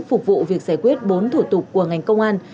phục vụ việc giải quyết bốn thủ tục của ngành công an